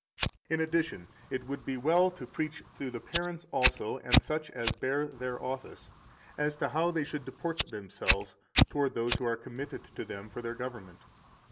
167 In addition, it would be well to preach to the parents also, and such as bear their office, as to how they should deport themselves toward those who are committed to them for their government.